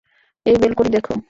এই বেলকনি দেখো।